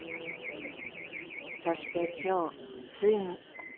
そして今日ついに。